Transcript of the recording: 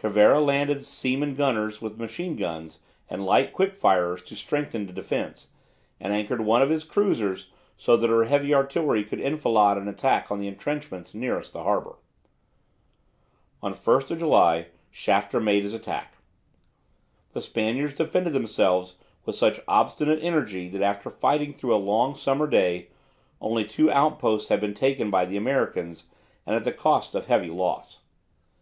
Cervera landed seamen gunners with machine guns and light quick firers to strengthen the defence, and anchored one of his cruisers so that her heavy artillery could enfilade an attack on the entrenchments nearest the harbour. On 1 July Shafter made his attack. The Spaniards defended themselves with such obstinate energy that after fighting through a long summer day only two outposts had been taken by the Americans, and at the cost of heavy loss.